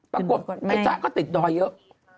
ปรากฏไอ้จ๊ะก็ติดดอยเยอะ